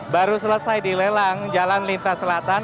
baru selesai dilelang jalan lintas selatan